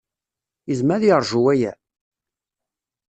Yezmer ad yeṛju waya?